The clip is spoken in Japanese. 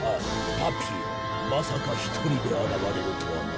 パピよまさか一人で現れるとはな。